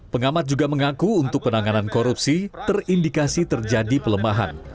pengamat juga mengaku untuk penanganan korupsi terindikasi terjadi pelemahan